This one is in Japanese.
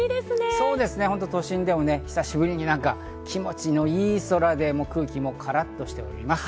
そうですね、都心でも久しぶりに気持ちの良い空で空気もカラッとしています。